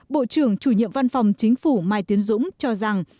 bộ trưởng chủ nhiệm văn phòng chính phủ mai tiến dũng cho rằng